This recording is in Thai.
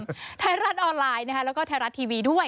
ที่ไทยรัฐออนไลน์แล้วก็ที่ไทยรัฐทีวีด้วย